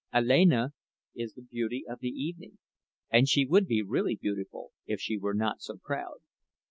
Alena is the beauty of the evening, and she would be really beautiful if she were not so proud.